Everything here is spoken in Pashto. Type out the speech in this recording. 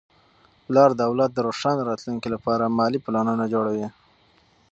پلار د اولاد د روښانه راتلونکي لپاره مالي پلانونه جوړوي.